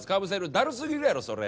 だるすぎるやろそれ。